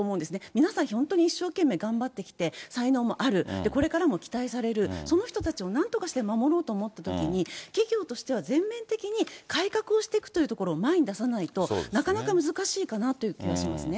皆さん、本当に一生懸命頑張ってきて、才能もある、これからも期待される、その人たちをなんとかして守ろうと思ったときに、企業としては全面的に改革をしていくというところを前に出さないと、なかなか難しいかなという気はしますね。